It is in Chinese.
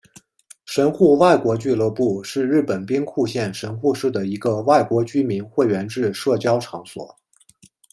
神户外国俱乐部是日本兵库县神户市的一个外国居民会员制社交场所。